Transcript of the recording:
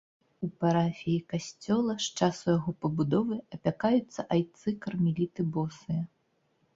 У парафіі касцёла з часу яго пабудовы апякаюцца айцы кармеліты босыя.